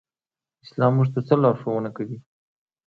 اسلام موږ ته څه لارښوونه کوي؟